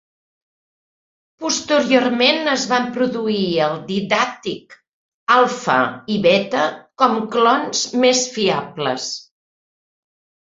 Posteriorment, es van produir el Didaktik Alfa i Beta com clons més fiables.